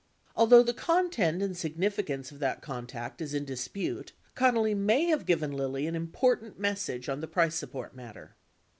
Although the content and significance of that contact is in dispute, Connally may have given Lilly an important message on the price support matter.